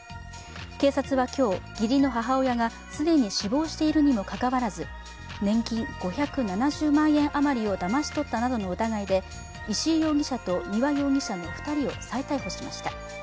警察は今日、義理の母親が既に死亡しているにもかかわらず、年金５７０万円あまりをだまし取った疑いなどで石井容疑者と丹羽容疑者の２人を再逮捕しました。